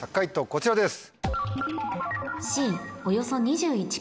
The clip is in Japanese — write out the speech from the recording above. こちらです。